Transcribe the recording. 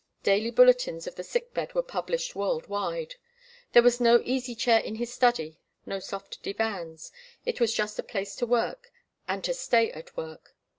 Daily bulletins of the sick bed were published world wide. There was no easy chair in his study, no soft divans. It was just a place to work, and to stay at work.